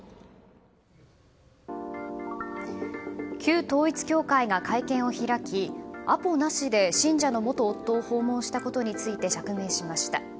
旧統一教会が会見を開きアポなしで信者の元夫を訪問したことについて釈明しました。